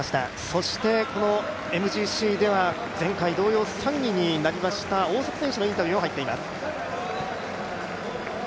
そして、ＭＧＣでは前回同様３位になりました大迫選手のインタビューも入っています。